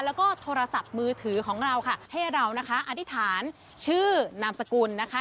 แล้วก็โทรศัพท์มือถือของเราค่ะให้เรานะคะอธิษฐานชื่อนามสกุลนะคะ